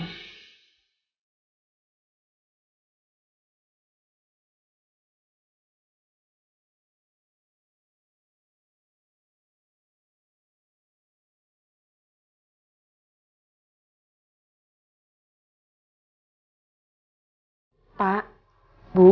apakah semua itu pantas dikorbankan begitu saja